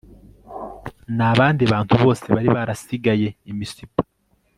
n abandi bantu bose bari barasigaye i misipa